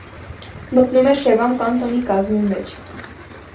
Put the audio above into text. Մտնում է Շևան կանտոնի կազմի մեջ։